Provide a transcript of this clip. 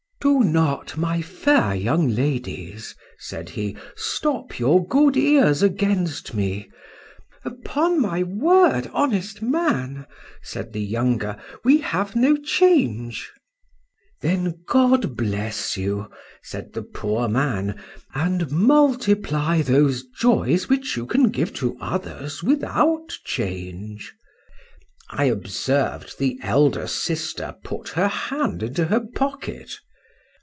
—Do not, my fair young ladies, said he, stop your good ears against me.—Upon my word, honest man! said the younger, we have no change.—Then God bless you, said the poor man, and multiply those joys which you can give to others without change!—I observed the elder sister put her hand into her pocket.